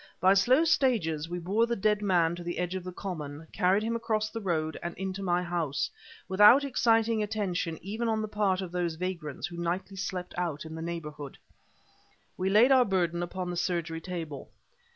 By slow stages we bore the dead man to the edge of the common, carried him across the road and into my house, without exciting attention even on the part of those vagrants who nightly slept out in the neighborhood. We laid our burden upon the surgery table.